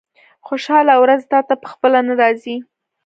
خوشاله ورځې تاته په خپله نه راځي.